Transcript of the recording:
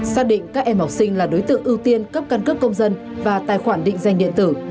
xác định các em học sinh là đối tượng ưu tiên cấp căn cước công dân và tài khoản định danh điện tử